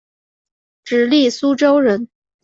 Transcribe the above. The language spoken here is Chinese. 直隶苏州人。